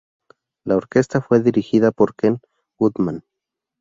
La orquesta fue dirigida por Ken Woodman.